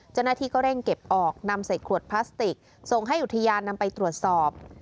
เจ้าหน้าที่ก็เร่งเก็บออกนำใส่ขวดพลาสติกส่งให้อุทยานนำไปตรวจสอบ